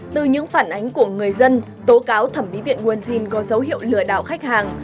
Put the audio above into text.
từ những phản ánh của người dân tố cáo thẩm mỹ viện nguồn jin có dấu hiệu lừa đảo khách hàng